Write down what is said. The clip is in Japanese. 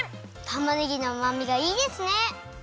たまねぎのうまみがいいですね！